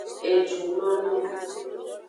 Ejunono.